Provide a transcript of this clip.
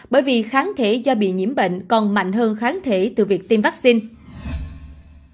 bởi vì kháng thể do bị nhiễm bệnh còn mạnh hơn kháng thể từ việc tiêm vaccine